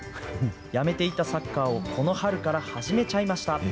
やめていたサッカーをこの春から始めちゃいました。